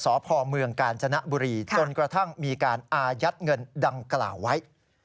สพเมืองกาญจนบุรีจนกระทั่งมีการอายัดเงินดังกล่าวไว้